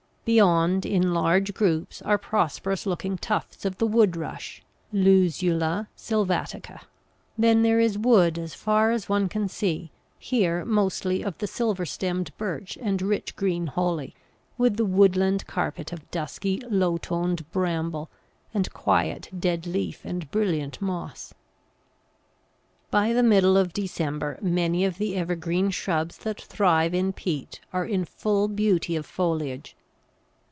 Beyond, in large groups, are prosperous looking tufts of the Wood rush (Luzula sylvatica); then there is wood as far as one can see, here mostly of the silver stemmed Birch and rich green Holly, with the woodland carpet of dusky low toned bramble and quiet dead leaf and brilliant moss. By the middle of December many of the evergreen shrubs that thrive in peat are in full beauty of foliage.